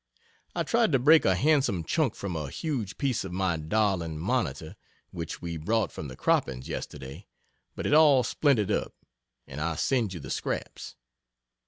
I tried to break a handsome chunk from a huge piece of my darling Monitor which we brought from the croppings yesterday, but it all splintered up, and I send you the scraps.